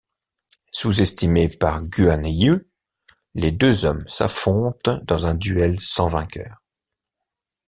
Sous-estimé par Guan Yu, les deux hommes s'affrontent dans un duel sans vainqueur.